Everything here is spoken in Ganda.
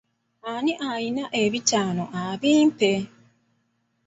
Ani alina ebitaano abimpe?